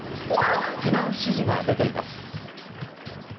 避難指示が出ています。